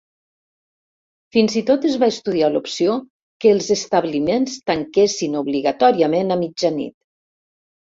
Fins i tot es va estudiar l'opció que els establiments tanquessin obligatòriament a mitjanit.